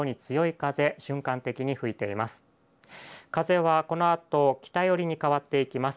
風はこのあと北寄りに変わっていきます。